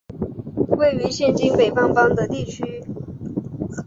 位于现今北方邦的地区。